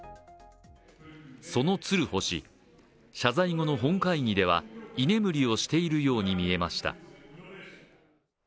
その鶴保氏、謝罪後の本会議では居眠りをしているように見えました。